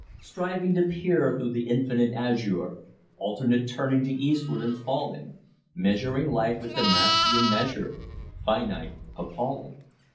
Striving to peer through the infinite azure, Alternate turning to earthward and falling, Measuring life with Damastian measure, Finite, appalling.